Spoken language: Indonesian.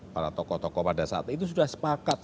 para tokoh tokoh pada saat itu sudah sepakat